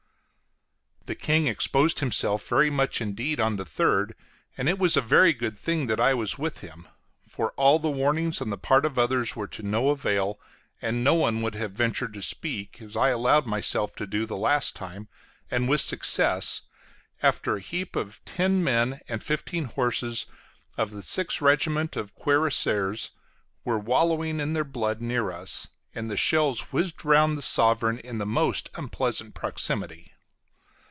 The King exposed himself very much indeed on the 3d, and it was a very good thing that I was with him; for all warnings on the part of others were of no avail, and no one would have ventured to speak as I allowed myself to do the last time, and with success, after a heap of ten men and fifteen horses of the Sixth Regiment of cuirassiers were wallowing in their blood near us, and the shells whizzed round the sovereign in the most unpleasant proximity.